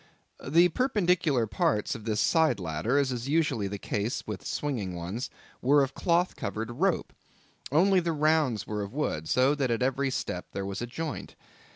The perpendicular parts of this side ladder, as is usually the case with swinging ones, were of cloth covered rope, only the rounds were of wood, so that at every step there was a joint.